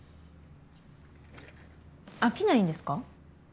飽きないんですか？